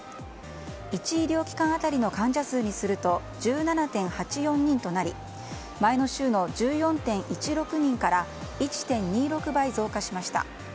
１医療機関当たりの患者数にすると１７．８４人となり前の週の１４．１６人から１．２６倍増加しました。